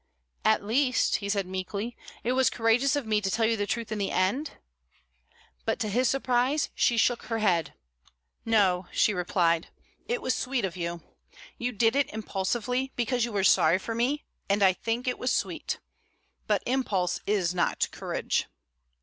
"At least," he said meekly, "it was courageous of me to tell you the truth in the end?" But, to his surprise, she shook her head. "No," she replied; "it was sweet of you. You did it impulsively, because you were sorry for me, and I think it was sweet. But impulse is not courage."